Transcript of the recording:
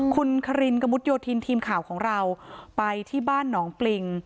คุณคารินกระมุดโยธินทีมข่าวของเราไปที่บ้านหนองปริง